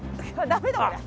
ダメだ！